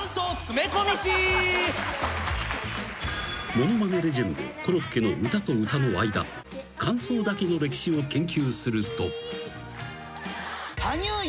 ［ものまねレジェンドコロッケの歌と歌の間間奏だけの歴史を研究すると］